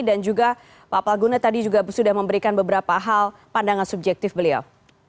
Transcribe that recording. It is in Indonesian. dan juga pak palguna tadi juga sudah memberikan beberapa hal pandangan subjektif beliau